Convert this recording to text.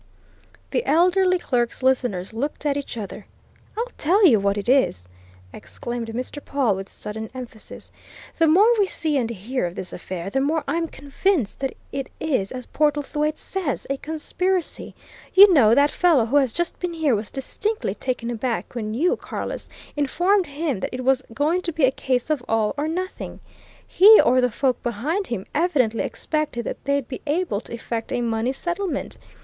The elderly clerk's listeners looked at each other. "I'll tell you what it is!" exclaimed Mr. Pawle with sudden emphasis. "The more we see and hear of this affair, the more I'm convinced that it is, as Portlethwaite says, a conspiracy. You know, that fellow who has just been here was distinctly taken aback when you, Carless, informed him that it was going to be a case of all or nothing. He or the folk behind him evidently expected that they'd be able to effect a money settlement.